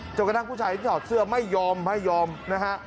กระทั่งผู้ชายที่ถอดเสื้อไม่ยอมไม่ยอมนะฮะ